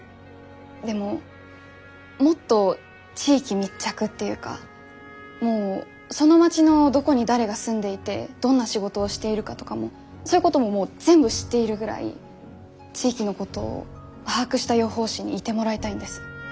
でももっと地域密着っていうかもうその町のどこに誰が住んでいてどんな仕事をしているかとかもそういうことももう全部知っているぐらい地域のことを把握した予報士にいてもらいたいんです。